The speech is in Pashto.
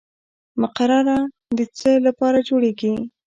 مقرره د څه لپاره جوړیږي؟